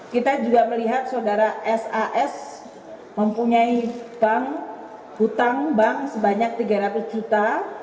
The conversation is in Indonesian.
kita juga melihat saudara sas mempunyai bank hutang bank sebanyak tiga ratus juta